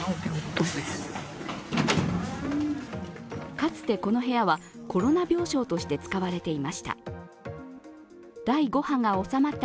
かつてこの部屋はコロナ病床として使われていました。